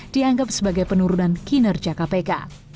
dianggap sebagai penurunan kinerja kpk